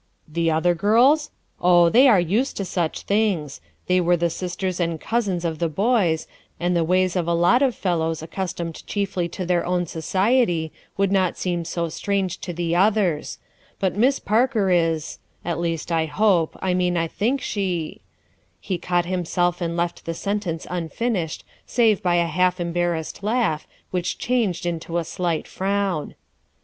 "The other girls? Oh, they are used to such things ; they were the sisters and cousins of the boys, and the ways of a lot of fellows ac customed chiefly to their own society would not seem so strange to the others; but Miss Parker is — at least I hope, I mean I think she —" He caught himself and left the sentence un finished save by a half embarrassed laugh, which changed into a slight frown.